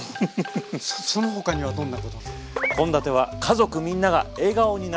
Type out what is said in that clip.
その他にはどんなことが？